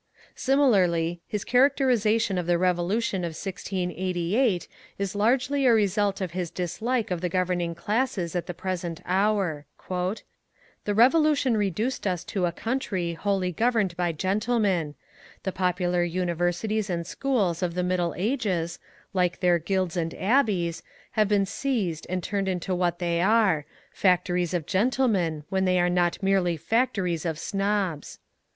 Similarly, his characterization of the Revolution of 1688 is largely a result of his dislike of the governing classes at the present hour: The Revolution reduced us to a country wholly governed by gentlemen; the popular universities and schools of the Middle Ages, like their guilds and abbeys, had been seized and turned into what they are factories of gentlemen when they are not merely factories of snobs.